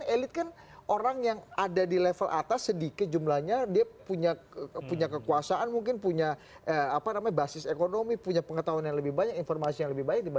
elit yang membangun narasinya sebenarnya